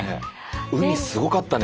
海すごかったね